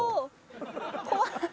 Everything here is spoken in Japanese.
怖っ。